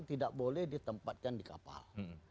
tidak boleh ditempatkan di kapal